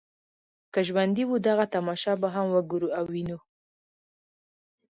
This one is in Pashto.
که ژوندي وو دغه تماشه به هم وګورو او وینو.